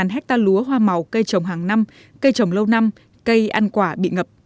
một mươi hai hecta lúa hoa màu cây trồng hàng năm cây trồng lâu năm cây ăn quả bị ngập